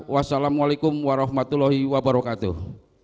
wassalamualaikum warahmatullahi wabarakatuh